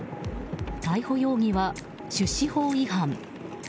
逮捕容疑は出資法違反。